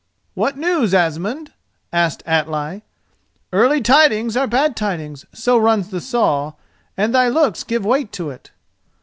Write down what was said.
"What news, Asmund?" asked Atli. "Early tidings are bad tidings, so runs the saw, and thy looks give weight to it."